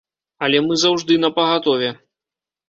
Але мы заўжды напагатове.